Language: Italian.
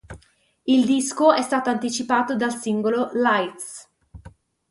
Il disco è stato anticipato dal singolo "Lights".